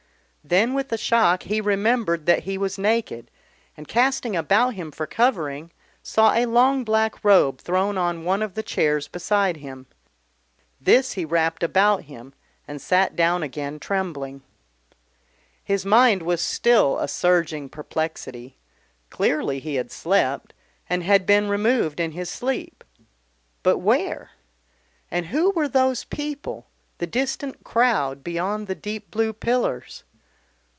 Then with a shock he remembered that he was naked, and casting about him for covering, saw a long black robe thrown on one of the chairs beside him. This he wrapped about him and sat down again, trembling. His mind was still a surging perplexity. Clearly he had slept, and had been removed in his sleep. But where? And who were those people, the distant crowd beyond the deep blue pillars?